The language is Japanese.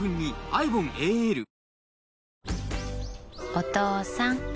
お父さん。